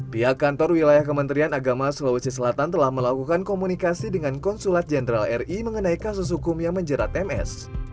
pihak kantor wilayah kementerian agama sulawesi selatan telah melakukan komunikasi dengan konsulat jenderal ri mengenai kasus hukum yang menjerat ms